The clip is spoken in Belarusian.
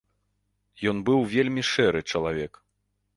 Ён быў вельмі шэры чалавек.